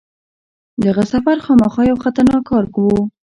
دغه سفر خامخا یو خطرناک کار وو.